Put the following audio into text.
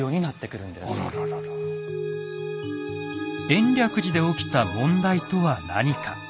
延暦寺で起きた問題とは何か。